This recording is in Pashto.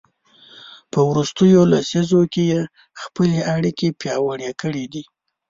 په وروستیو لسیزو کې یې خپلې اړیکې پیاوړې کړي دي.